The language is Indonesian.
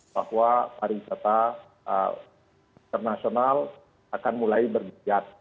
bahwa pariwisata internasional akan mulai bergejat